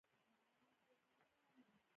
دا کچه ستاسې له وړتیاوو سره تړاو نه لري.